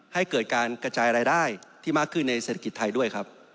ให้เกิดการกระจายรายได้ที่มากขึ้นในเศรษฐกิจไทยด้วยครับ